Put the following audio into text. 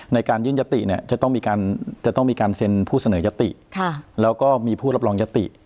ในการยื่นยติเนี่ยจะต้องมีการเซ็นผู้เสนอยติแล้วก็มีผู้รับรองยติ